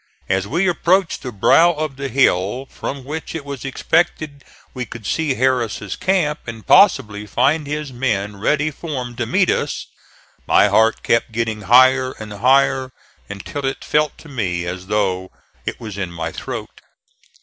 As we approached the brow of the hill from which it was expected we could see Harris' camp, and possibly find his men ready formed to meet us, my heart kept getting higher and higher until it felt to me as though it was in my throat.